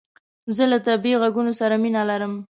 زه له طبیعي عږونو سره مینه لرم